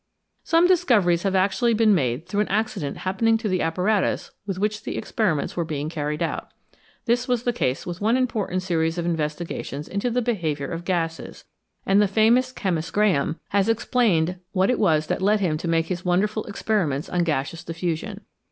Some discoveries have actually been made through an accident happening to the apparatus with which experi ments were being carried out. This was the case with one important series of investigations into the behaviour of gases ; and the famous chemist Graham has explained what it was that led him to make his wonderful experi ments on gaseous diffusion.